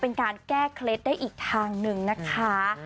เป็นการแก้เคล็ดได้อีกทางหนึ่งนะคะ